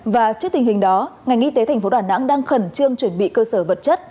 và trước tình hình đó ngành y tế thành phố đà nẵng đang khẩn trương chuẩn bị cơ sở vật chất